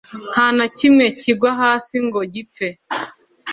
nta na kimwe kigwa hasi ngo gipfe